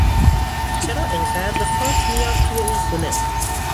چرا اِنقدر خاک میاد توی این خونه